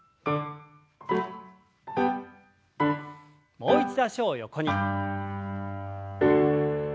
もう一度脚を横に。